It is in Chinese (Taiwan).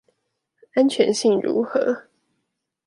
安全性如何